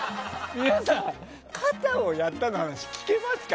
皆さん、肩をやったの話聞けますか？